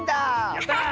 やった！